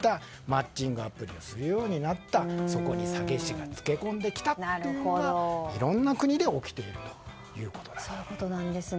マッチングアプリをするようになったそこに詐欺師がつけ込んできたというのがいろんな国が起きているということです。